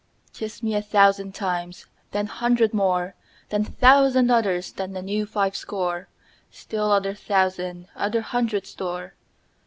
Kiss me a thousand times, then hundred more, Then thousand others, then a new five score, Still other thousand other hundred store.